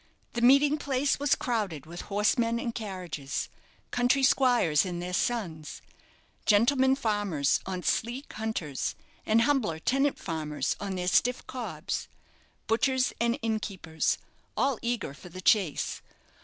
The meeting place was crowded with horsemen and carriages, country squires and their sons, gentlemen farmers on sleek hunters, and humbler tenant farmers on their stiff cobs, butchers and innkeepers, all eager for the chase.